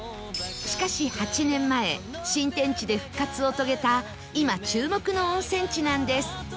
しかし８年前新天地で復活を遂げた今注目の温泉地なんです